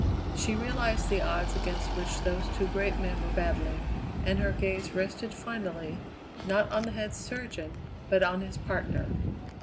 She realized the odds against which those two great men were battling, and her gaze rested finally, not on the head surgeon, but on his partner.